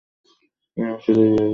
মীমাংসা দুইভাগে বিভক্ত।